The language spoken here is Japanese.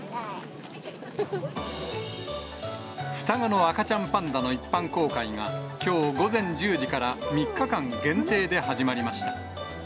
双子の赤ちゃんパンダの一般公開が、きょう午前１０時から３日間限定で始まりました。